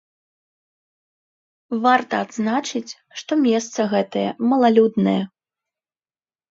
Варта адзначыць, што месца гэтае малалюднае.